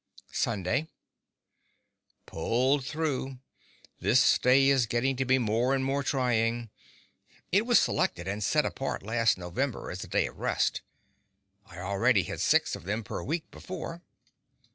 Sunday Pulled through. This day is getting to be more and more trying. It was selected and set apart last November as a day of rest. I already had six of them per week, before.